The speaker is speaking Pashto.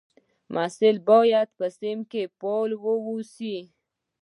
محصل باید په صنف کې فعال واوسي.